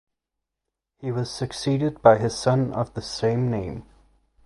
He was succeeded by his son of the same name.